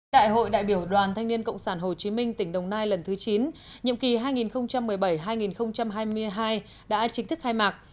đại hội đại biểu đoàn thanh niên cộng sản hồ chí minh tỉnh đồng nai lần thứ chín nhiệm kỳ hai nghìn một mươi bảy hai nghìn hai mươi hai đã chính thức khai mạc